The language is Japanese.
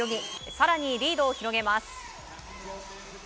更にリードを広げます。